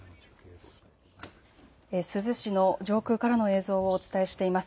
珠洲市の上空からの映像をお伝えしています。